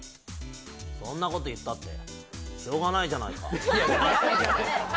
そんなこと言ったって、しょうがないじゃないか！